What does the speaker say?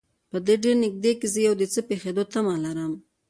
په دې ډېر نږدې کې زه د یو څه پېښېدو تمه لرم.